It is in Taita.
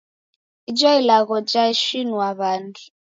Ijo ilagho jashinue w'andu.